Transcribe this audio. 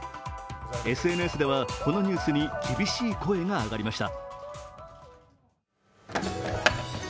ＳＮＳでは、このニュースに厳しい声が上がりました。